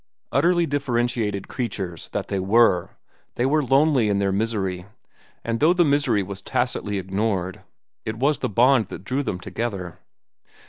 Utterly differentiated creatures that they were, they were lonely in their misery, and though the misery was tacitly ignored, it was the bond that drew them together.